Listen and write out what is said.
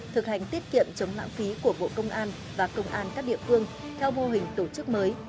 thực hành tiết kiệm chống lãng phí của bộ công an và công an các địa phương theo mô hình tổ chức mới